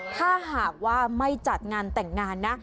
ถ้าหากว่าไม่จัดงานแต่งงานนะ